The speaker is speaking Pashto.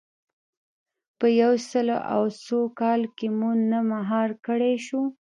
په یو سل او څو کلونو کې مو نه مهار کړای شو.